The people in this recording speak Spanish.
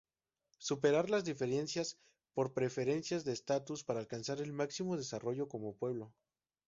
Superar las diferencias por preferencias de estatus para alcanzar el máximo desarrollo como pueblo.